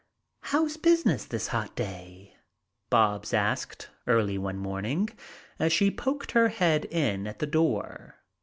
"How's business this hot day?" Bobs asked early one morning, as she poked her head in at the door.